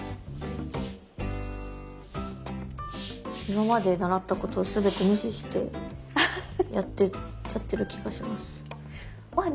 今まで習ったことをすべて無視してやっちゃってる気がします。